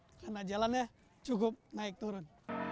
karena jalannya cukup naik turun